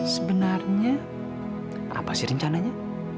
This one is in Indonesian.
sebenarnya apa sih rencananya